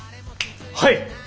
はい！